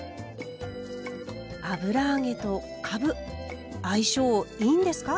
油揚げとかぶ相性いいんですか？